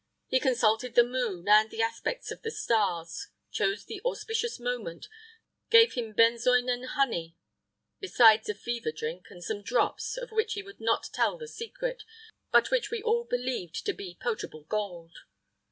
He consulted the moon, and the aspect of the stars; chose the auspicious moment, gave him benzoin and honey, besides a fever drink, and some drops, of which he would not tell the secret, but which we all believed to be potable gold.